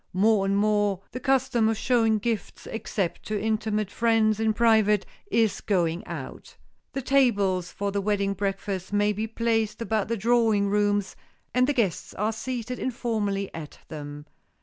More and more the custom of showing gifts, except to intimate friends in private, is going out. The tables for the wedding breakfast may be placed about the drawing rooms, and the guests are seated informally at them.